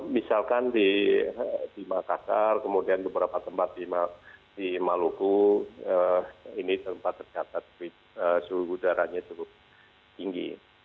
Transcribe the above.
misalkan di makassar kemudian beberapa tempat di maluku ini tempat tercatat suhu udaranya cukup tinggi